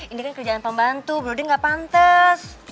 ini kan kerjaan pembantu broding gak pantes